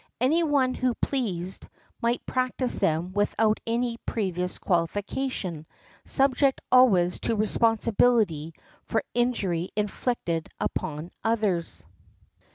Any one who pleased might practise them without any previous qualification; subject always to responsibility for injury inflicted upon others.